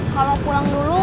kalau pulang dulu